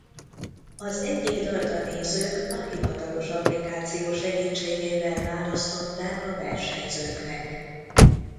Az egyik dalt a nézők a hivatalos applikáció segítségével választották a versenyzőknek.